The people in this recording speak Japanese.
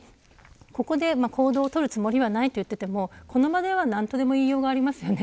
ここで、行動をとるつもりはないと言っても、この場では何とでも言いようがありますよね。